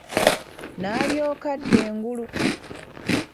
Naalyoka adda engulu!